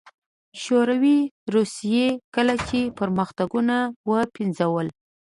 شوروي روسيې کله چې پرمختګونه وپنځول